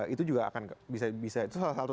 itu juga akan bisa itu salah satu